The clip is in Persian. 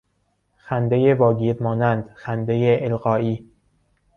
خندهی واگیر مانند، خندهی القایی